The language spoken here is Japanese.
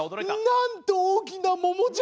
「なんと大きな桃じゃ！」。